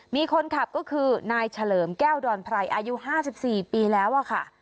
มีคนขับก็คือนายเฉลิมแก้วดอนพรายอายุห้าสิบสี่ปีแล้วอะค่ะ